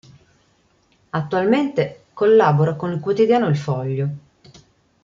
Attualmente collabora con il quotidiano "Il Foglio".